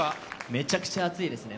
めちゃくちゃ熱いですね